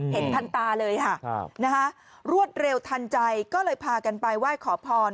เห็นทันตาเลยค่ะรวดเร็วทันใจก็เลยพากันไปไหว้ขอพร